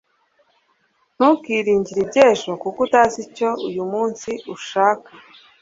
ntukiringire iby'ejo kuko utazi icyo uyu munsi uhaka